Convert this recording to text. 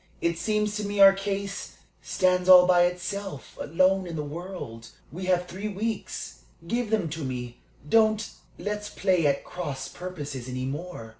"It seems to me our case stands all by itself, alone in the world. We have three weeks give them to me. Don't let's play at cross purposes any more.